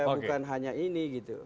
bukan hanya ini gitu